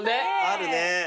あるね。